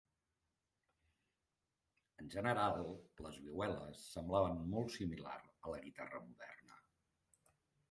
En general, les vihueles semblaven molt similar a la guitarra moderna.